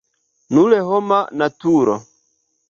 Nur homa naturo.